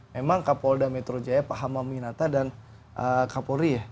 memang kapolda metro jaya pak hamam minata dan kapolri ya